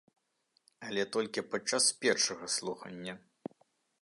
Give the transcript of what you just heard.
Але толькі падчас першага слухання.